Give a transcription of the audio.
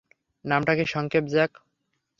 নামটা কি সংক্ষেপে জ্যাক?